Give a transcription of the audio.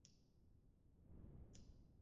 او مانا لري.